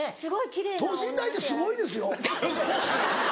等身大ってすごいですよ？